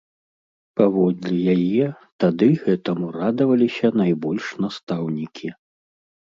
Паводле яе, тады гэтаму радаваліся найбольш настаўнікі.